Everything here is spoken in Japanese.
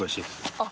あっ！